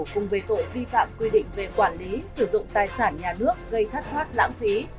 cùng về tội vi phạm quy định về quản lý sử dụng tài sản nhà nước gây thất thoát lãng phí